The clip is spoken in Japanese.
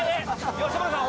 吉村さん